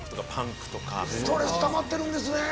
ストレスたまってるんですね。